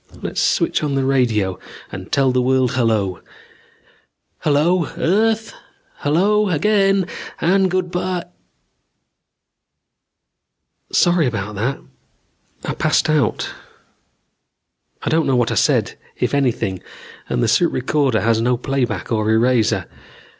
Let's switch on the radio and tell the world hello. Hello, earth ... hello, again ... and good by ... "Sorry about that. I passed out. I don't know what I said, if anything, and the suit recorder has no playback or eraser.